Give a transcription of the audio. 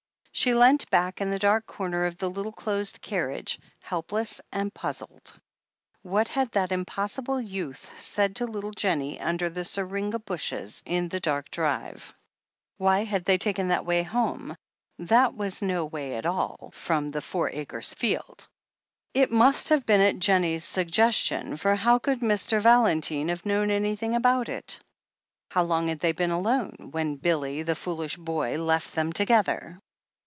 She leant back in the dark corner of the little closed carriage, helpless and puzzled. What had that impossible youth said to little Jennie under the syringa bushes in the dark drive — ^why had they taken that way home — ^that was no way at all — THE HEEL OF ACHILLES 367 from the Four Acres field? It must have been at Jemiie's suggestion, for how could Mr. Valentine have known anything about it? How long had they been alone — ^when had Billy, the foolish boy, left them together